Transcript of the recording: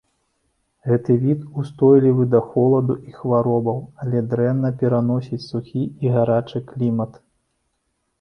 Гэты від устойлівы да холаду і хваробаў, але дрэнна пераносіць сухі і гарачы клімат.